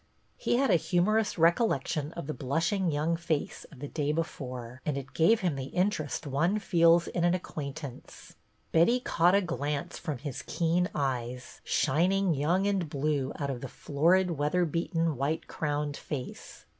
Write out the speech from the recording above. He had a humorous recollection of the blushing young face of the day before, and it gave him the interest one feels in an acquaint ance. Betty caught a glance from his keen eyes, shining young and blue out of the florid, weather beaten, white crowned face.